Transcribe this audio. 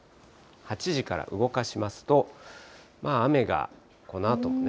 ８時から動かしますと、雨がこのあともね。